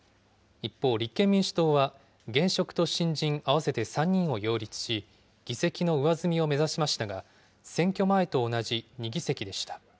一方、立憲民主党は現職と新人合わせて３人を擁立し、議席の上積みを目指しましたが、選挙前と同じ２議席でした。